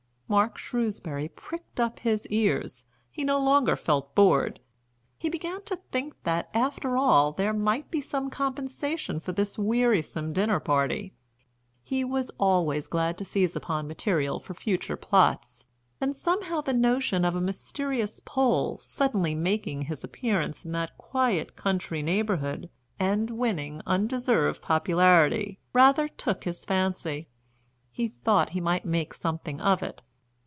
Mark Shrewsbury pricked up his ears, he no longer felt bored, he began to think that, after all, there might be some compensation for this wearisome dinner party. He was always glad to seize upon material for future plots, and somehow the notion of a mysterious Pole suddenly making his appearance in that quiet country neighbourhood and winning undeserved popularity rather took his fancy. He thought he might make something of it.